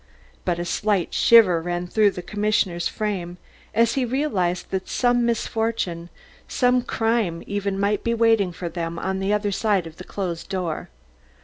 But a slight shiver ran through the commissioner's frame as he realised that some misfortune, some crime even might be waiting for them on the other side of the closed door.